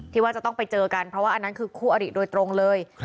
ว่าจะต้องไปเจอกันเพราะว่าอันนั้นคือคู่อริโดยตรงเลย